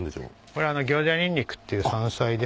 これは行者ニンニクっていう山菜ですね。